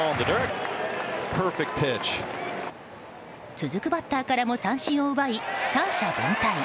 続くバッターからも三振を奪い三者凡退。